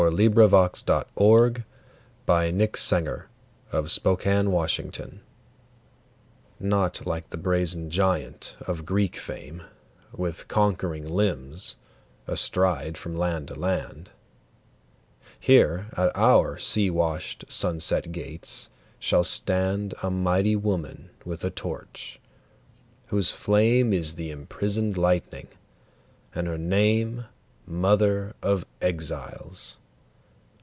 K L . M N . O P . Q R . S T . U V . W X . Y Z The New Colossus NOT like the brazen giant of Greek fame, With conquering limbs astride from land to land; Here at our sea washed, sunset gates shall stand A mighty woman with a torch, whose flame Is the imprisoned lightning, and her name Mother of Exiles.